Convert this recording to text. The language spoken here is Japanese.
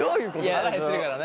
腹減ってるからね。